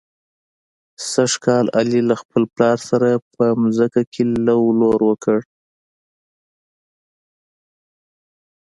سږ کال علي له خپل پلار سره په ځمکه کې لو لور وکړ.